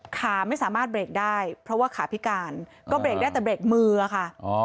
ขาไม่สามารถเบรกได้เพราะว่าขาพิการก็เรกได้แต่เบรกมืออะค่ะ